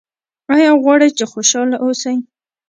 ایا غواړئ چې خوشحاله اوسئ؟